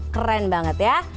keren banget ya